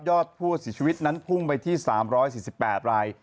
อดผู้เสียชีวิตนั้นพุ่งไปที่๓๔๘ราย